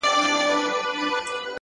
پوهه د راتلونکي دروازې پرانیزي!.